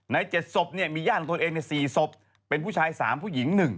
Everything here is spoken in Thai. ใน๗ศพมีญาติของตัวเองใน๔ศพเป็นผู้ชาย๓ผู้หญิง๑